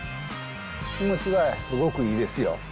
気持ちはすごくいいですよ。